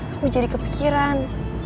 aku jadi kepikiran